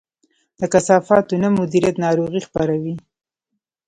د کثافاتو نه مدیریت ناروغي خپروي.